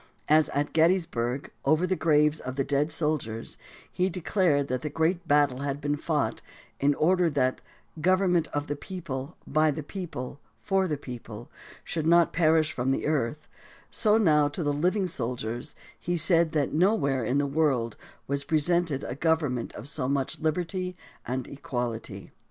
As at Gettysburg, over the graves of the dead soldiers, he declared that the great battle had been fought in order that "government of the people, by the people, for the people" should not perish from the earth, so now to the living soldiers he said that nowhere in the world was presented a "government of so much liberty and equality."